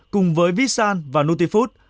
cùng với vitsan và nutifood